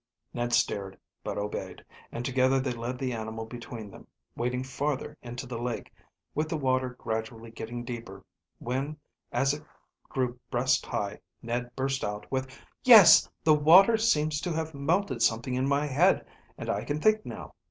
Ned stared, but obeyed, and together they led the animal between them, wading farther into the lake, with the water gradually getting deeper, when as it grew breast high Ned burst out with "Yes, the water seems to have melted something in my head, and I can think now.